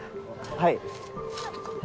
はい。